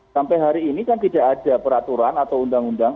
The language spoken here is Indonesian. sampai hari ini kan tidak ada peraturan atau undang undang